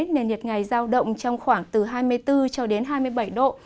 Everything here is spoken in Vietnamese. nền nhiệt ngày giao động trong khoảng từ hai mươi bốn cho đến hai mươi bảy độ